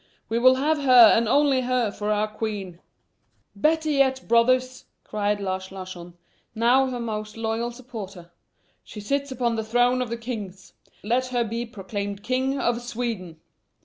"We will have her and only her for our queen!" "Better yet, brothers," cried Lars Larsson, now her most loyal supporter; "she sits upon the throne of the kings; let her be proclaimed King of Sweden."